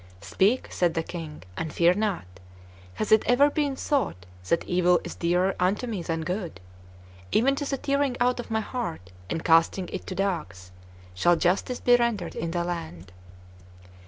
"Speak," said the King, "and fear not! Has it ever been thought that evil is dearer unto me than good? Even to the tearing out of my heart and casting it to dogs shall justice be rendered in the land."